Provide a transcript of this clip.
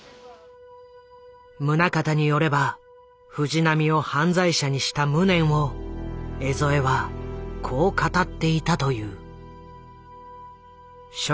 宗像によれば藤波を犯罪者にした無念を江副はこう語っていたという。